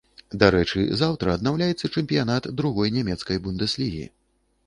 Дарэчы, заўтра аднаўляецца чэмпіянат другой нямецкай бундэслігі.